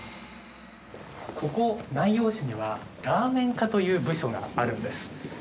ここ、南陽市にはラーメン課という部署があるんです。